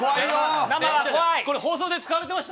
これ、放送で使われてました？